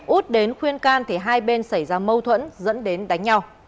út đến khuyên can thì hai bên xảy ra mâu thuẫn dẫn đến đánh nhau